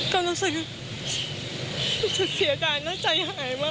ก็รู้สึกเสียดายและใจหายมาก